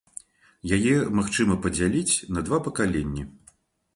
Яе магчыма падзяліць на два пакаленні.